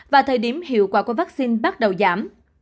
và thời điểm hiệu quả của vaccine bắt đầu giảm